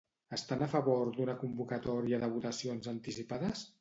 Estan a favor d'una convocatòria de votacions anticipades?